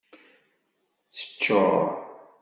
Teccuṛ.